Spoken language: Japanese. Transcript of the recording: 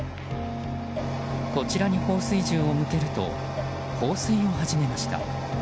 こちらに放水銃を向けると放水を始めました。